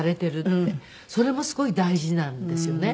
それもすごい大事なんですよね。